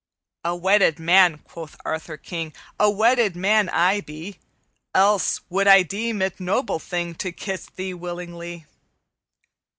"'A wedded man,' quoth Arthur, King, 'A wedded man I be Else would I deem it noble thing To kiss thee willingly.